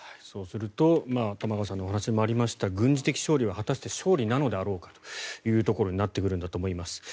そうすると玉川さんのお話にもありました軍事的勝利は果たして勝利なのであろうかということになってきます。